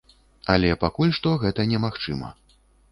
Але пакуль што гэта немагчыма.